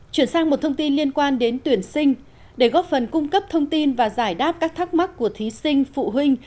chuyển sang một thông tin liên quan đến tuyển sinh để góp phần cung cấp thông tin và giải đáp các thắc mắc của thí sinh phụ huynh